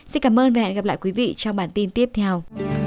xin cảm ơn và hẹn gặp lại quý vị trong bản tin tiếp theo